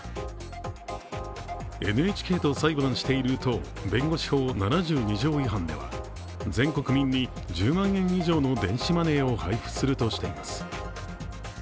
ＮＨＫと裁判してる党弁護士法７２条違反ででは、全国民に１０万円以上の電子マネーを配布するとしています。